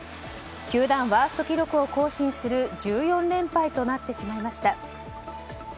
球団ワースト記録を更新する１４連敗となってしまいました。